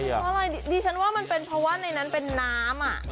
เพราะอะไรดิฉันว่ามันเป็นเพราะว่าในนั้นเป็นน้ำ